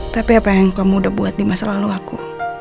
tapi apa yang kamu udah buat di masa lalu aku